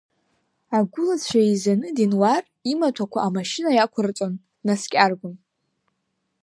Агәылацәа еизаны, Денуар имаҭәақәа амашьына иақәырҵон, днаскьаргон.